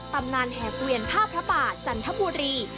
ตำนานแห่เกวียนผ้าพระป่าจันทบุรี